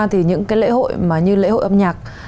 thì những cái lễ hội mà như lễ hội âm nhạc